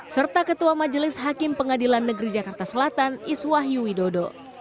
serta ketua majelis hakim pengadilan negeri jakarta selatan iswahyu widodo